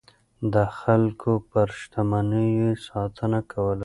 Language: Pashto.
د خلکو پر شتمنيو يې ساتنه کوله.